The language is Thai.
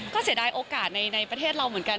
ก็เสียดายโอกาสในประเทศเราเหมือนกัน